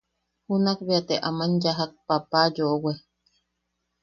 Junakbea te aman yajak papa yoʼowe.